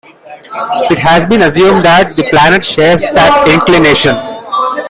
It has been assumed that the planet shares that inclination.